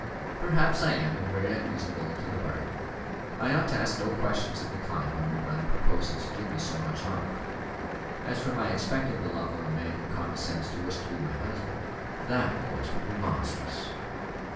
"Perhaps I am, and very unreasonable into the bargain. I ought to ask no questions of the kind when your brother proposes to do me so much honour. As for my expecting the love of a man who condescends to wish to be my husband, that, of course, would be monstrous.